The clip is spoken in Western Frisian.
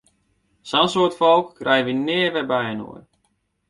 Sa'n soad folk krije wy nea wer byinoar!